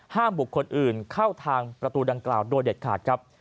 บุคคลอื่นเข้าทางประตูดังกล่าวโดยเด็ดขาดครับ